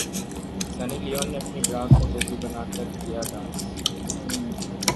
Sunny Leone ने अपनी bra को टोपी बनाकर किया डांस